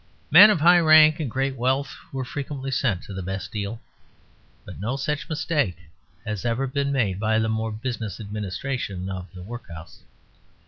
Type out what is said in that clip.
Men of high rank and great wealth were frequently sent to the Bastille; but no such mistake has ever been made by the more business administration of the workhouse.